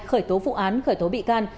khởi tố phụ án khởi tố bị can